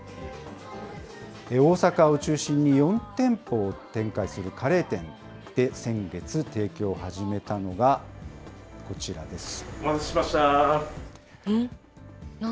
大阪を中心に、４店舗を展開するカレー店で先月提供を始めたのがこちらです。